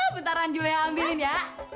bentaran dulu yang ambilin ya